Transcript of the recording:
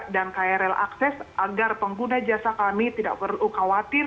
dan krl akses agar pengguna jasa kami tidak perlu khawatir